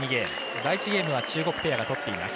第１ゲームは中国ペアが取っています。